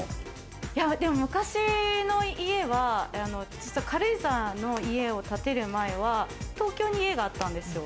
いや、昔の家は実は軽井沢の家を建てる前は、東京に家があったんですよ。